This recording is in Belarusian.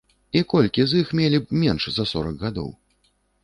І колькі з іх мелі б менш за сорак гадоў?